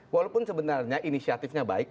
walaupun sebenarnya inisiatifnya baik